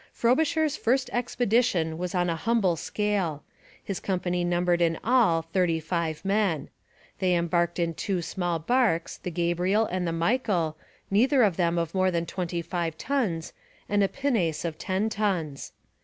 Frobisher's first expedition was on a humble scale. His company numbered in all thirty five men. They embarked in two small barques, the Gabriel and the Michael, neither of them of more than twenty five tons, and a pinnace of ten tons.